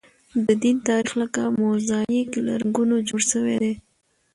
د دین تاریخ لکه موزاییک له رنګونو جوړ شوی دی.